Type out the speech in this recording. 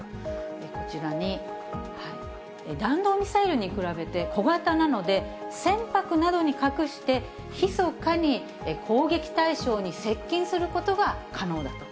こちらに、弾道ミサイルに比べて小型なので、船舶などに隠して、ひそかに攻撃対象に接近することが可能だと。